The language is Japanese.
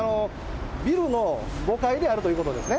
ビルの５階であるということですね。